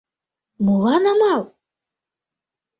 Молан амал?